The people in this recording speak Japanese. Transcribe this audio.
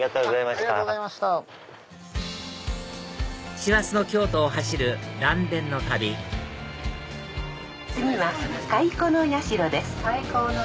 師走の京都を走る嵐電の旅次は蚕ノ社です。